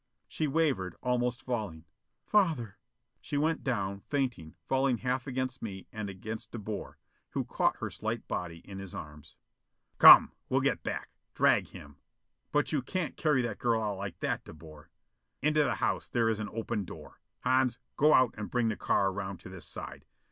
She wavered, almost falling. "Father " She went down, fainting, falling half against me and against De Boer, who caught her slight body in his arms. "Come, we'll get back. Drag him!" "But you can't carry that girl out like that, De Boer." "Into the house: there is an open door. Hans, go out and bring the car around to this side.